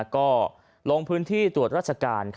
ก็ลงพื้นที่ตรวจราชการ